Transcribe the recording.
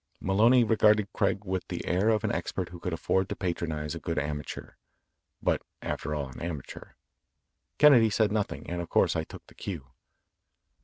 Maloney regarded Craig with the air of an expert who could afford to patronise a good amateur but after all an amateur. Kennedy said nothing, and of course I took the cue.